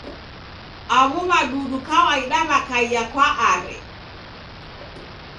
Aw'o w'adudu kawaida w'akaia kwa Are.